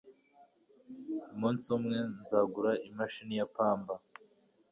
Umunsi umwe nzagura imashini ya pamba.